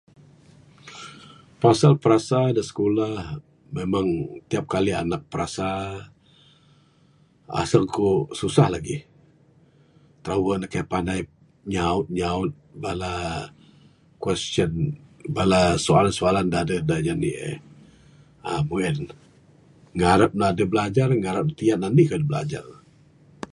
Fasa fasa da skulah memang tiap kali anak prasa, asung ku susah lagih kah wang ne kaik panai nyaut nyaut bala question bala soalan da adeh da janik eh aaa mung en, ngarap ne adeh bilajar lah ngarap ne tiyan anih kayuh da bilajar.